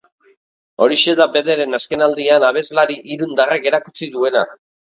Horixe da, bederen, azkenaldian abeslari irundarrak erakutsi duena.